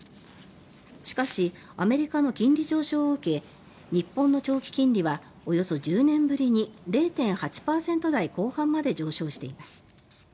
しかしアメリカの金利上昇を受け日本の長期金利はおよそ１０年ぶりに０．８％台後半まで上昇しています。